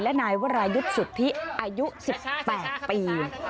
และนายวรายุทธิ์อายุ๑๘ปี